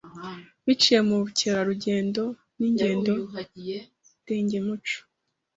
biciye mu bukererugendo n’ingende ndengemuco.